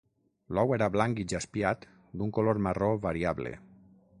L'ou era blanc i jaspiat d'un color marró variable.